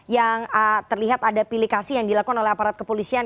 yang terlihat ada pilikasi yang dilakukan oleh aparat kepolisian